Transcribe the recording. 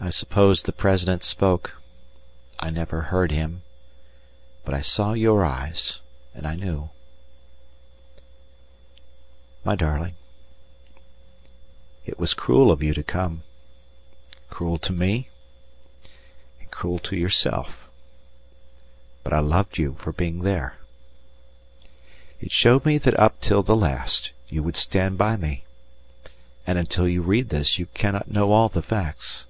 I suppose the President spoke; I never heard him, but I saw your eyes and I knew. My darling, it was cruel of you to come, cruel to me and cruel to yourself, but I loved you for being there; it showed me that up till the last you would stand by me, and until you read this you cannot know all the facts.